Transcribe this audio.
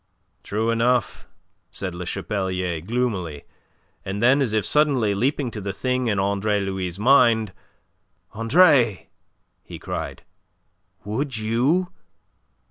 "True enough," said Le Chapelier gloomily; and then, as if suddenly leaping to the thing in Andre Louis' mind: "Andre!" he cried. "Would you..."